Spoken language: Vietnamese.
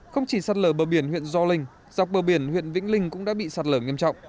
không chỉ sạt lở bờ biển huyện gio linh dọc bờ biển huyện vĩnh linh cũng đã bị sạt lở nghiêm trọng